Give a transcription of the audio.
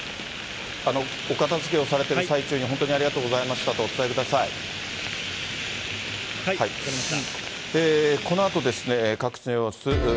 お片づけをされてる最中に、本当にありがとうございましたとお伝分かりました。